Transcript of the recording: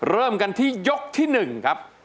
เริ่มกันที่ยกที่๑ครับ